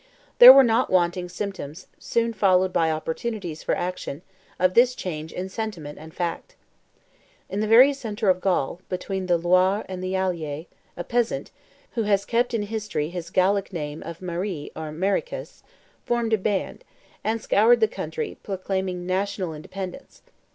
There were not wanting symptoms, soon followed by opportunities for action, of this change in sentiment and fact. In the very centre of Gaul, between the Loire and the Allier, a peasant, who has kept in history his Gallic name of Marie or Maricus, formed a band, and scoured the country, proclaiming national independence.